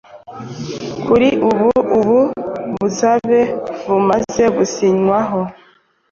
Kuri ubu ubu busabe bumaze gusinywaho